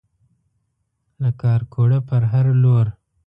له کارکوړه پر هر لور